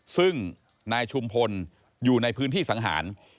ซึ่งนายชุมพลอยู่ในพื้นที่สังหาร